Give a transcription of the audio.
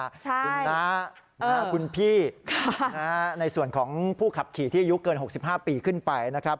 คุณน้าคุณพี่ในส่วนของผู้ขับขี่ที่อายุเกิน๖๕ปีขึ้นไปนะครับ